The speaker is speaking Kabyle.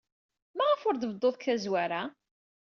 Maɣef ur d-tbeddud seg tazwara?